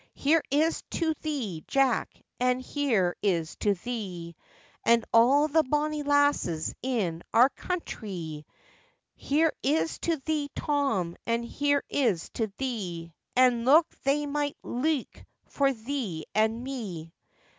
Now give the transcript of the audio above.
'Here is to thee, Jack, and here is to thee, And all the bonny lasses in our countrie!' 'Here is to thee, Tom, and here is to thee, And look they may leuk for thee and me!